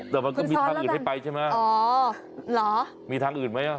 แต่มันก็มีทางอื่นให้ไปใช่ไหมอ๋อเหรอมีทางอื่นไหมอ่ะ